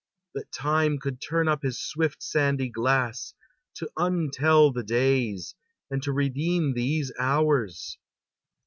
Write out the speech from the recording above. That time could turn up his swift sandy glass, To untell the days, and to redeem these hours!